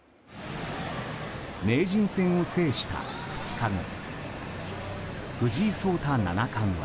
名人戦を制した２日後藤井聡太七冠は。